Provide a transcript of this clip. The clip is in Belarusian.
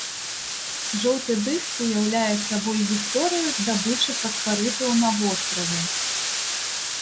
Жоўты дыск уяўляе сабой гісторыю здабычы фасфарытаў на востраве.